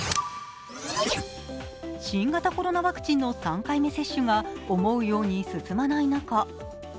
新型コロナワクチンの３回目接種が思うように進まない中